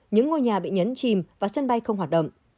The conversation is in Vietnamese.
những ngôi nhà bị nhấn chìm và sân bay không hoạt động